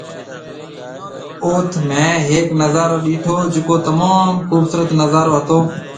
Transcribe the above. اوٿ مينهه هيڪ نظارو ڏيٺو جڪو تموم خوبصورت نظارو هتو